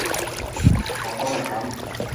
我都係噉